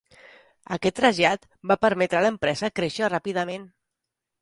Aquest trasllat va permetre a l'empresa créixer ràpidament.